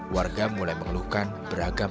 warga mulai mengeluhkan berahkan